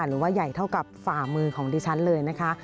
หรือว่าใหญ่เท่ากับฝ่ามือของดิฉันเลยนะคะ